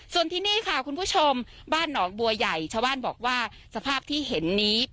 ส่วนที่นี่ค่ะคุณผู้ชมบ้านหนองบัวใหญ่ชาวบ้านบอกว่าสภาพที่เห็นนี้